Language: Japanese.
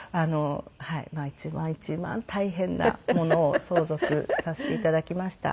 まあ一番一番大変なものを相続させて頂きました。